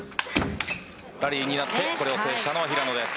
ラリーになってこれを制したのは平野です。